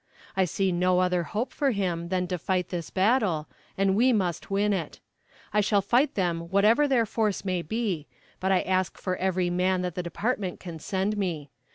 I see no other hope for him than to fight this battle, and we must win it. I shall fight them whatever their force may be; but I ask for every man that the department can send me.